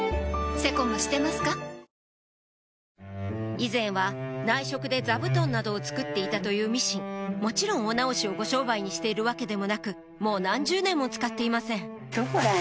以前は内職で座布団などを作っていたというミシンもちろんお直しをご商売にしているわけでもなくもう何十年も使っていません